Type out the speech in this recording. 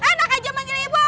enak aja manggilin bu